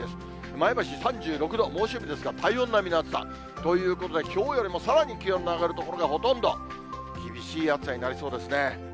前橋３６度、猛暑日ですから体温並みの暑さ。ということで、きょうよりもさらに気温の上がる所がほとんど、厳しい暑さになりそうですね。